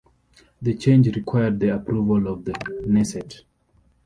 The change required the approval of the Knesset.